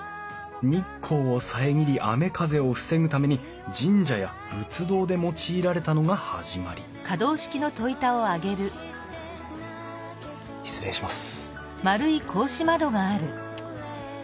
日光を遮り雨風を防ぐために神社や仏堂で用いられたのが始まり失礼します。